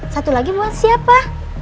satu lagi buat siapa